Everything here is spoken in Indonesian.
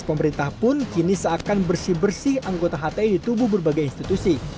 pemerintah pun kini seakan bersih bersih anggota hti di tubuh berbagai institusi